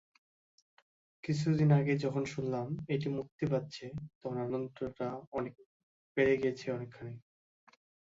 কিছুদিন আগে যখন শুনলাম এটি মুক্তি পাচ্ছে, তখন আনন্দটা বেড়ে গেছে অনেকখানি।